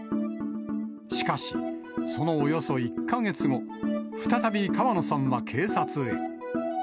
しかし、そのおよそ１か月後、再び川野さんは警察へ。